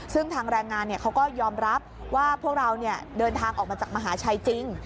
ซึ่งทางแรงงานเขาก็ยอมรับว่าพวกเราเดินทางออกมาจากมหาชัยจริง